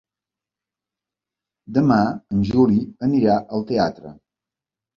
Demà en Juli anirà al teatre.